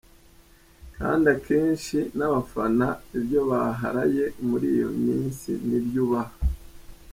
Kandi akenshi na’bafana ibyo baharaye muri iyo minsi nibyo ubaha.